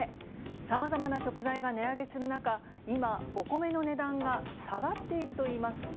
さまざまな食材が値上げする中、今、お米の値段が下がっているといいます。